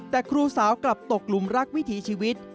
แต่ครูสาวกลับตกหลุมรักวิถีชีวิต